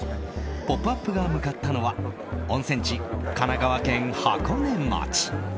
「ポップＵＰ！」が向かったのは温泉地、神奈川県箱根町。